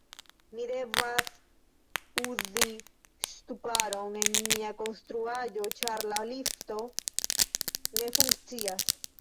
Mi devas uzi ŝtuparon en mia konstruaĵo ĉar la lifto ne funkcias